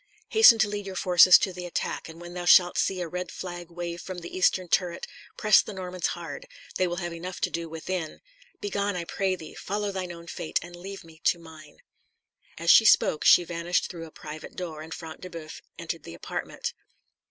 Hasten to lead your forces to the attack, and when thou shalt see a red flag wave from the eastern turret, press the Normans hard; they will have enough to do within. Begone, I pray thee; follow thine own fate, and leave me to mine." As she spoke she vanished through a private door, and Front de Boeuf entered the apartment.